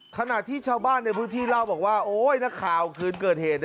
ขณะที่ชาวบ้านในพื้นที่เล่าบอกว่าโอ๊ยนักข่าวคืนเกิดเหตุ